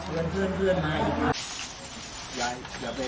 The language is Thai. อย่างน้อยไม่ให้ใจ